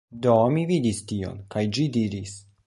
Do mi vidis tion, kaj ĝi diris...